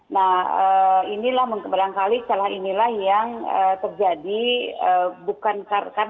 nah inilah barangkali celah inilah yang terjadi bukan karena